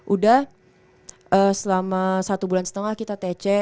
udah selama satu bulan setengah kita tc